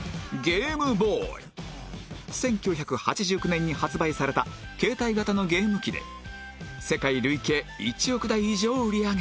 １９８９年に発売された携帯型のゲーム機で世界累計１億台以上売り上げた